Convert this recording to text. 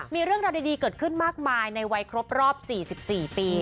มีเรื่องราวดีเกิดขึ้นมากมายในวัยครบรอบ๔๔ปี